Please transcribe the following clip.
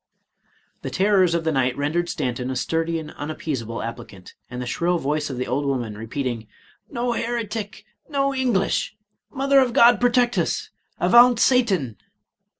The terrors of the night rendered Stanton a sturdy and unappeasable applicant; and the shrill voice of the old woman, repeating, " no heretic — ^no English — Mother of God protect us — avaunt Satan